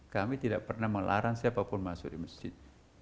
kami tidak pernah melarang siapapun masuk di masjid